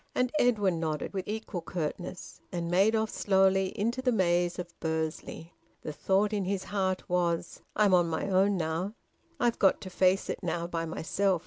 And Edwin nodded with equal curtness and made off slowly into the maze of Bursley. The thought in his heart was: "I'm on my own, now. I've got to face it now, by myself."